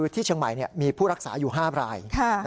ที่ชะไหมมีผู้รักษาอยู่๕ราย